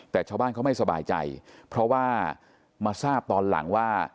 แต่ชาวบ้านเขาไม่สบายใจเพราะว่ามาทราบตอนหลังว่า